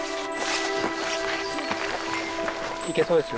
・行けそうです？